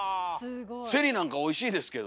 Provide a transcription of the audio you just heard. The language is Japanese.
せりなんかおいしいですけどね。